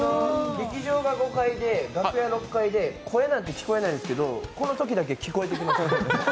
劇場が５階で、楽屋６階で声なんて聞こえないんですけど、このときだけ聞こえてきました。